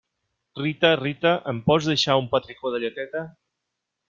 Rita, Rita, em pots deixar un petricó de lleteta?